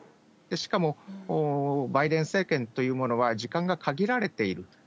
しかも、バイデン政権というものは、時間が限られている。